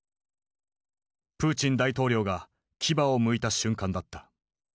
プーチン大統領が牙をむいた瞬間だった。